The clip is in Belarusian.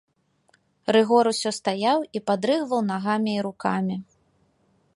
Рыгор усё стаяў і падрыгваў нагамі і рукамі.